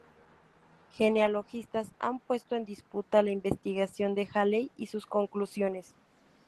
Genealogistas han puesto en disputa la investigación de Haley y sus conclusiones.